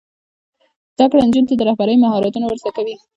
زده کړه نجونو ته د رهبرۍ مهارتونه ور زده کوي.